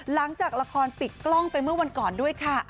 หลังจากละครปิดกล้องไปเมื่อวันก่อนด้วยค่ะ